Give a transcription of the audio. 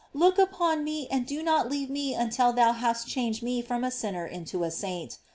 Look upon me, and do not leave me until thou hast changed me from a sinner into a saint.